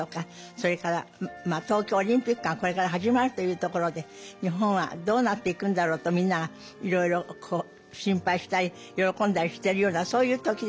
それから東京オリンピックがこれから始まるというところで日本はどうなっていくんだろうとみんながいろいろ心配したり喜んだりしてるようなそういう時でした。